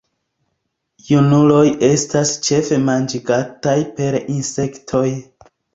Junuloj estas ĉefe manĝigataj per insektoj.